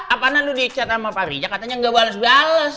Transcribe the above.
apanya lu dicat sama pak rija katanya gak bales bales